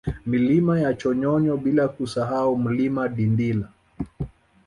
Milima ya Chonyonyo bila kusahau Mlima Dindila